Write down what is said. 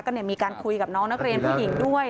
ก็มีการคุยกับน้องนักเรียนผู้หญิงด้วย